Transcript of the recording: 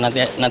nanti aja dah